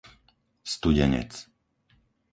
Studenec